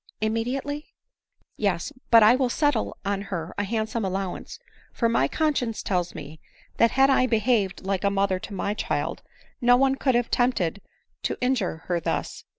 " Immediately ?"" Yes — but I will settle on her a handsome allowance ; for my conscience tells me, that bad I behaved like a y 304 ADELINE MOWBRAY mother to my child, no one could have been tempted to injure her thus.